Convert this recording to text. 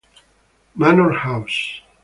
Manor House